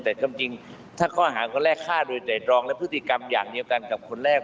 แต่ความจริงถ้าข้อหาคนแรกฆ่าโดยแต่รองและพฤติกรรมอย่างเดียวกันกับคนแรก